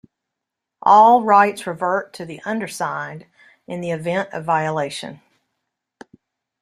All rights revert to the undersigned in the event of violation.